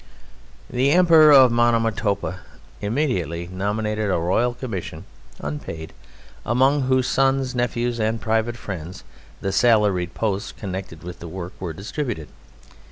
The Emperor of Monomotopa immediately nominated a Royal Commission (unpaid), among whose sons, nephews, and private friends the salaried posts connected with the work were distributed.